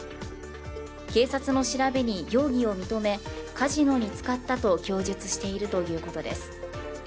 警察の調べに容疑を認めカジノに使ったと供述しているということです。